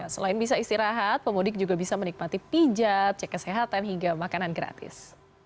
selain bisa istirahat pemudik juga bisa menikmati pijat cek kesehatan hingga makanan gratis